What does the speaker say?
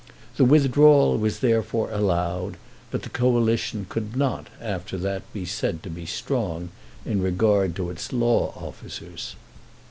The withdrawal was, therefore, allowed, but the Coalition could not after that be said to be strong in regard to its Law Officers.